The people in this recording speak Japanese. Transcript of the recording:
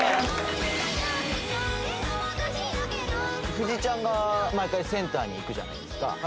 藤井ちゃんが毎回センターにいくじゃないですか。